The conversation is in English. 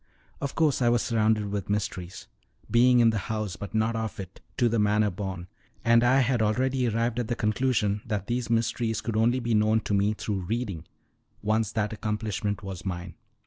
Of course I was surrounded with mysteries, being in the house but not of it, to the manner born; and I had already arrived at the conclusion that these mysteries could only be known to me through reading, once that accomplishment was mine.